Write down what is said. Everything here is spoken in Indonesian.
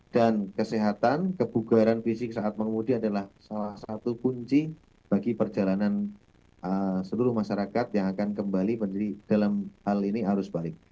dan kesehatan kebugaran fisik saat mengundi adalah salah satu kunci bagi perjalanan seluruh masyarakat yang akan kembali menjadi dalam hal ini harus balik